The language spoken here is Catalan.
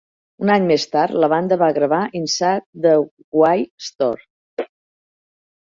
Un any més tard la banda va gravar "Inside the Why Store".